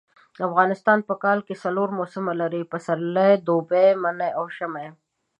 افغانستان په کال کي څلور موسمه لري . پسرلی دوبی منی او ژمی